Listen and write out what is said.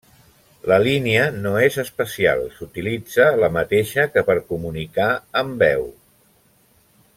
La línia no és especial, s'utilitza la mateixa que per comunicar amb veu.